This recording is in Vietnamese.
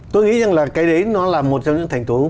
tôi nghĩ rằng là cái đấy nó là một trong những thành tố